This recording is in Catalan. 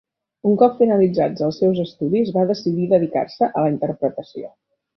Un cop finalitzats els seus estudis va decidir dedicar-se a la interpretació.